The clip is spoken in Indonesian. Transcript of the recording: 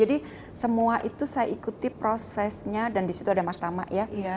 jadi semua itu saya ikuti prosesnya dan di situ ada mas tama ya